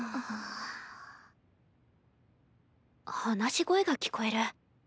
話し声が聞こえる。